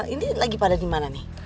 ini lagi pada dimana nih